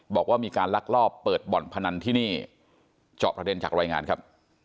บอกว่ามีการลักลอบเปิดบ่อนพนันที่นี่เจาะประเด็นจากรายงานครับ